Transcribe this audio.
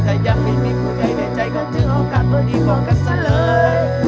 แต่ยังไม่มีผู้ใจในใจก็ถึงโอกาสตัวดีกว่ากันเสียเลย